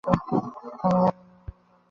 বসার ভঙ্গি অনেকটা সিংহাসনে বসার মতো।